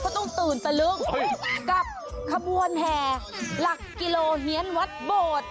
ต้องตื่นตะลึงกับขบวนแห่หลักกิโลเฮียนวัดโบด